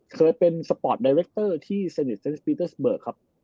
เคยเป็นสปอร์ตไดเรกเตอร์ที่เซนติสเฟทเบิร์กครับ